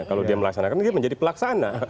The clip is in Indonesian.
kalau dia melaksanakan dia menjadi pelaksana